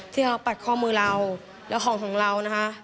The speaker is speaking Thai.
ที่ตัดคอมือเราและของเรา